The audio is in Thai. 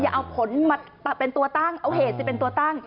เอาผลมาเป็นตัวตั้งเอาเหตุสิเป็นตัวตั้ง